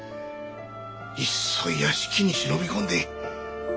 いっそ屋敷に忍び込んで。